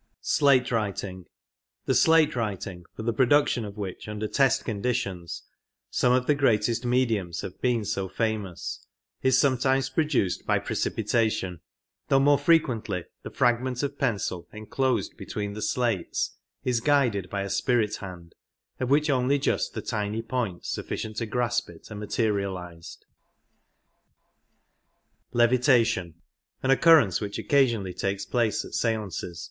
The slate writing, for the production of which under test conditions some of the greatest mediums have wit^ng ^^^^ so famous, is sometimes produced by pre cipitation, though more frequently the fragment of pencil enclosed between the slates is guided by a spirit hand, of which only just the tiny points sufficient to grasp it are materialized. An occurrence which occasionally takes place at seances